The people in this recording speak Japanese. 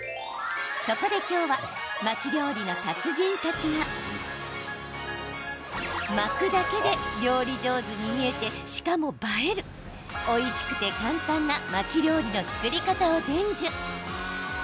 そこで今日は巻き料理の達人たちが巻くだけで料理上手に見えてしかも映える、おいしくて簡単な巻き料理の作り方を伝授。